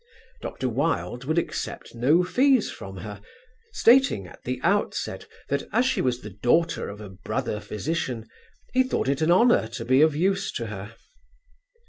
Dr. Wilde would accept no fees from her, stating at the outset that as she was the daughter of a brother physician, he thought it an honour to be of use to her.